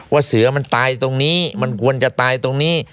เสือมันตายตรงนี้มันควรจะตายตรงนี้